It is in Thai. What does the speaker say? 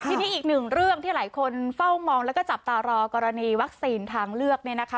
ทีนี้อีกหนึ่งเรื่องที่หลายคนเฝ้ามองแล้วก็จับตารอกรณีวัคซีนทางเลือกเนี่ยนะคะ